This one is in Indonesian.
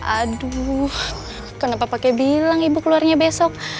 aduh kenapa pakai bilang ibu keluarnya besok